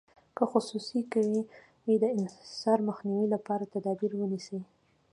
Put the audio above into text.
که خصوصي کوي د انحصار مخنیوي لپاره تدابیر ونیسي.